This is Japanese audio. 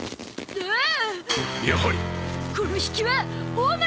ああ。